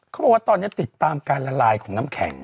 เขาบอกว่าตอนนี้ติดตามการละลายของน้ำแข็ง